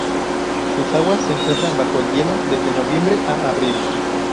Sus aguas se encuentran bajo el hielo desde noviembre a abril.